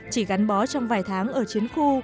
chỉ gắn bó trong vài tháng ở chiến khu